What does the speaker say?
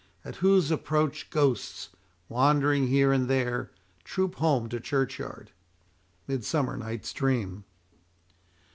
At whose approach ghosts, wandering here and there, Troop home to churchyard. MIDSUMMER NIGHT'S DREAM.